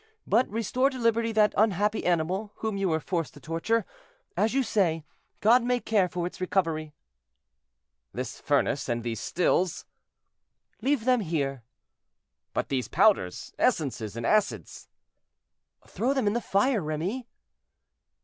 But restore to liberty that unhappy animal, whom you were forced to torture. As you say, God may care for its recovery." "This furnace, and these stills?" "Leave them here." "But these powders, essences, and acids?" "Throw them in the fire, Remy."